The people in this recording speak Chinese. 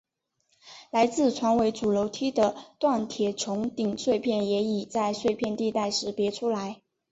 来自船尾主楼梯的锻铁穹顶碎片也已在碎片地带识别出来。